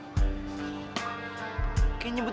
dan sekejap lagi